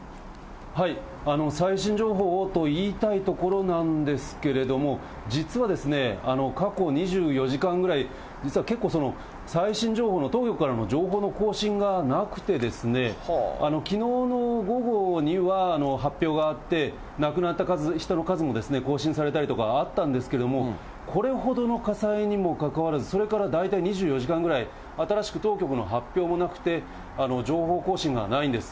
最新情報をと言いたいところなんですけれども、実はですね、過去２４時間ぐらい、実は結構最新情報の、当局からの情報の更新がなくてですね、きのうの午後には発表があって、亡くなった人の数も更新されたりとかあったんですけれども、これほどの火災にもかかわらず、それから大体２４時間ぐらい、新しく当局の発表もなくて、情報更新がないんです。